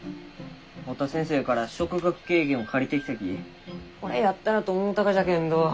堀田先生から「植学啓原」を借りてきたきこれやったらと思うたがじゃけんど。